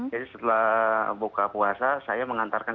jadi setelah buka puasa saya mengantarkan